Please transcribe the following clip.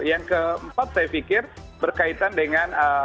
yang keempat saya pikir berkaitan dengan